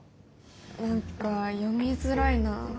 何か読みづらいなあ。